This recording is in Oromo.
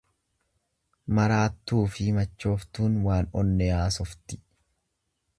Maraattuufi machooftuun waan onnee haasofti.